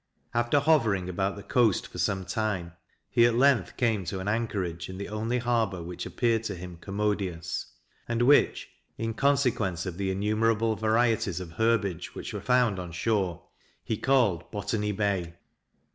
After hovering about the coast for some time, he at length came to an anchorage in the only harbour which appeared to him commodious; and which, in consequence of the innumerable varieties of herbage which were found on shore, he called Botany Bay.